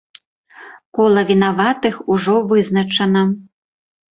Кола вінаватых ужо вызначана.